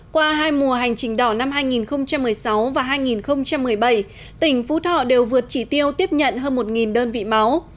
qua hai mùa hành trình đỏ năm hai nghìn một mươi sáu và hai nghìn một mươi bảy tỉnh phú thọ đều vượt chỉ tiêu tiếp nhận hơn một đơn vị máu